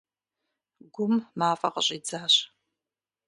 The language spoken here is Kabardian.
Гум мафӏэ къыщӏидзащ.